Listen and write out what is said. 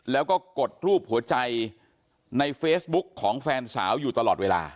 แล้วก็กดรูปหัวใจในเฟซบุ๊กของแฟนสาวอยู่ตลอดเวลา